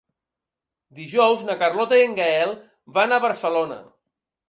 Dijous na Carlota i en Gaël van a Barcelona.